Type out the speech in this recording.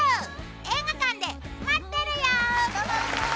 映画館で待ってるよ！